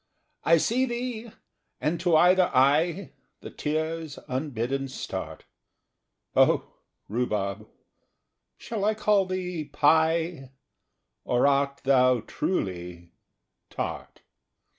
I see thee, and to either eye The tears unbidden start; O rhubarb! shall I call thee pie, Or art thou truly tart?